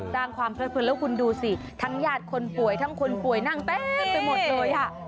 แล้วคุณดูสิทั้งญาติคนป่วยทั้งคนป่วยนั่งเต้นไปหมดเลย